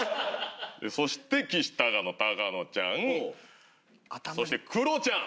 そしてきしたかの高野ちゃんそしてクロちゃん。